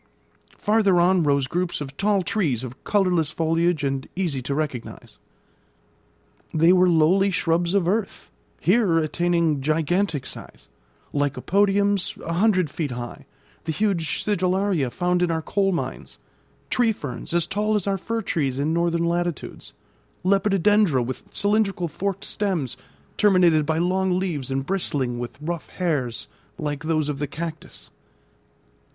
Farther on rose groups of tall trees of colourless foliage and easy to recognise. They were lowly shrubs of earth, here attaining gigantic size; lycopodiums, a hundred feet high; the huge sigillaria, found in our coal mines; tree ferns, as tall as our fir trees in northern latitudes; lepidodendra, with cylindrical forked stems, terminated by long leaves, and bristling with rough hairs like those of the cactus.